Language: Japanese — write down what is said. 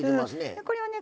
これをね